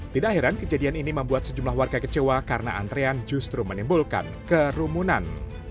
tidak heran kejadian ini membuat sejumlah warga kecewa karena antrean justru menimbulkan kerumunan